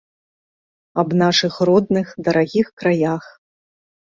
Аб нашых родных, дарагіх краях.